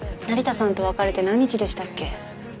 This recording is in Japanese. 成田さんと別れて何日でしたっけ？